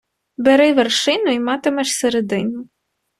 Бери вершину і матимеш середину.